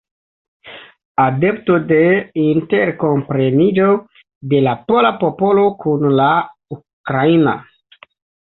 Adepto de interkompreniĝo de la pola popolo kun la ukraina.